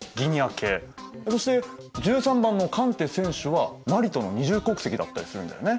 そして１３番のカンテ選手はマリとの二重国籍だったりするんだよね。